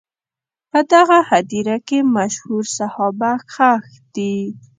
په دغه هدیره کې مشهور صحابه ښخ دي.